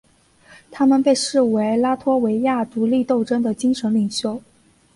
他们被视为拉脱维亚独立斗争的精神领袖。